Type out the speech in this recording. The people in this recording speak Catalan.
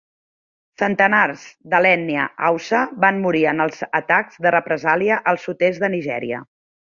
Centenars de l'ètnia Haussa van morir en els atacs de represàlia al sud-est de Nigèria.